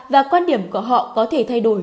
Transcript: và quan điểm của họ có thể thay đổi